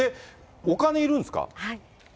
お金いるんですか？